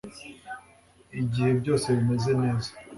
igihe byose bimeze neza